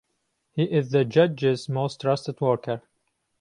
He is the Judge's most trusted worker.